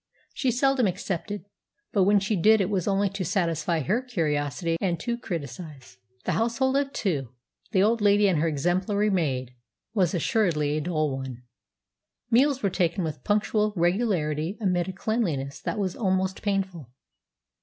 She seldom accepted; but when she did it was only to satisfy her curiosity and to criticise. The household of two, the old lady and her exemplary maid, was assuredly a dull one. Meals were taken with punctual regularity amid a cleanliness that was almost painful.